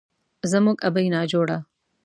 زموږ ابۍ ناجوړه